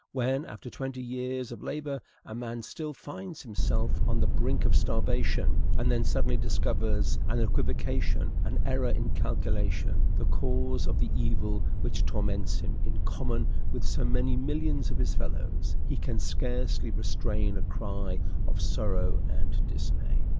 When, after twenty years of labor, a man still finds himself on the brink of starvation, and then suddenly discovers in an equivocation, an error in calculation, the cause of the evil which torments him in common with so many millions of his fellows, he can scarcely restrain a cry of sorrow and dismay.